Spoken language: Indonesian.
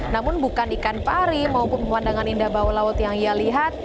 namun bukan ikan pari maupun pemandangan indah bawah laut yang ia lihat